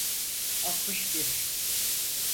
Altmış bir.